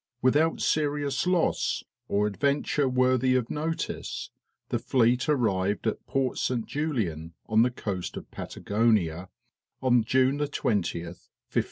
Without serious loss, or adventure worthy of notice, the fleet arrived at Port St. Julian, on the coast of Patagonia, June 20, 1578.